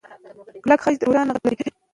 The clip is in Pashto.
کلک خج روښانه غږ لري.